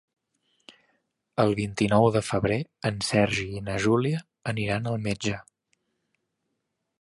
El vint-i-nou de febrer en Sergi i na Júlia aniran al metge.